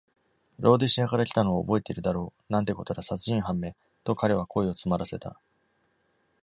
"ローデシアから来たのを覚えているだろう」「なんてことだ、殺人犯め!」と彼は声を詰まらせた。